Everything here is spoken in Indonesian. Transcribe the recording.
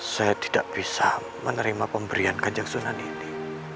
saya tidak bisa menerima pemberian kanjeng sunan ini